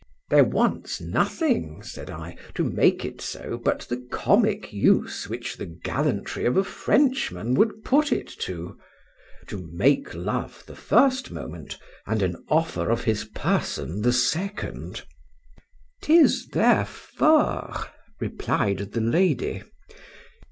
— —There wants nothing, said I, to make it so but the comic use which the gallantry of a Frenchman would put it to,—to make love the first moment, and an offer of his person the second. 'Tis their fort, replied the lady.